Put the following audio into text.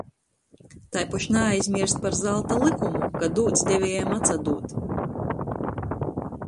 Taipoš naaizmierst par zalta lykumu, ka dūts deviejam atsadūd.